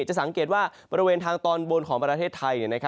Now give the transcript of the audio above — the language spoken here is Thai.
จะสังเกตว่าบริเวณทางตอนบนของประเทศไทย